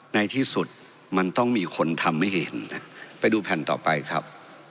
ในที่สุดมันต้องมีคนทำให้เห็นนะไปดูแผ่นต่อไปครับ